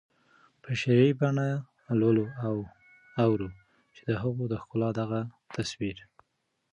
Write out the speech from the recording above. په شعري بڼه لولو او اورو چې د هغوی د ښکلا دغه تصویر